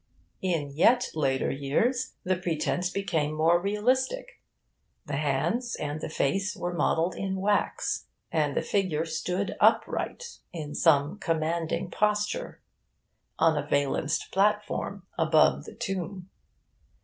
In yet later days, the pretence became more realistic. The hands and the face were modelled in wax; and the figure stood upright, in some commanding posture, on a valanced platform above the tomb.